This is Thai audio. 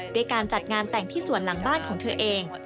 ด้วยการจัดงานแต่งที่ส่วนหลังบ้านของเธอเอง